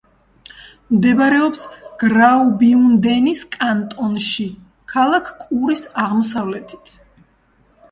მდებარეობს გრაუბიუნდენის კანტონში, ქალაქ კურის აღმოსავლეთით.